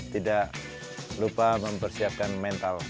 tidak lupa mempersiapkan mental